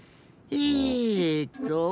えっと。